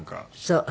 そう。